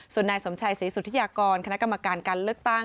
ส่วนนายสมชัยศรีสุธิยากรคณะกรรมการการเลือกตั้ง